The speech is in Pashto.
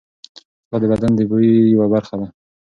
خوله د بدن د بوی یوه برخه ده.